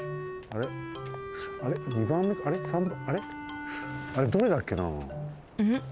あれどれだっけなあ。